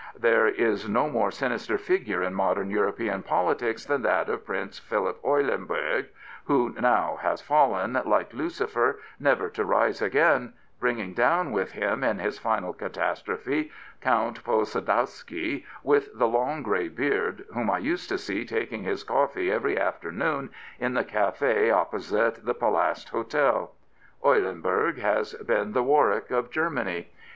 There is no more sinister figure in modern European politics than that of Prince Philip Eulenburg, who has now fallen, like Lucifer, never to rise again, bringing down with him in his final catastrophe Count Posadowsky, with the long grey beard, whom I used to see taking his coffee every afternoon in the caf6 opposite the Palast Hotel. Eulenburg has been the Warwick of Germany.